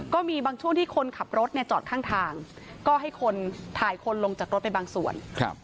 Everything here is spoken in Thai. ก็มีบางช่วงที่คนขับรถเนี่ยจอดข้างทางก็ให้คนถ่ายคนลงจากรถไปบางส่วน